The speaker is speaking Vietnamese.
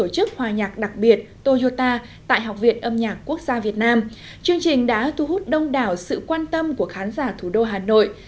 chương trình đã thu hút đông đảo sự quan tâm của khán giả thủ đô hà nội